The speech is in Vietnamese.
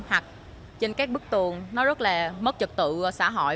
hoặc trên các bức tường nó rất là mất trật tự xã hội